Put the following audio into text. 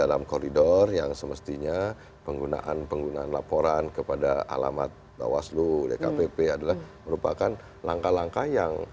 hanya penggunaan penggunaan laporan kepada alamat bawah slu dkpp adalah merupakan langkah langkah yang